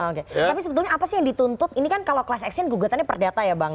oke tapi sebetulnya apa sih yang dituntut ini kan kalau class action gugatannya perdata ya bang